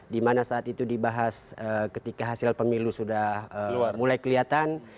dimana saat itu dibahas ketika hasil pemilu sudah mulai kelihatan